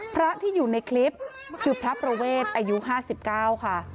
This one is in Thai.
พระที่อยู่ในคลิปคือพระประเวทอายุ๕๙ค่ะ